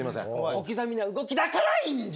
小刻みな動きだからいいんじゃ。